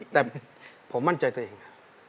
แต่ผมมั่นใจตัวเอง